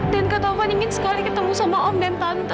dan kak taufan ingin sekali ketemu sama om dan tante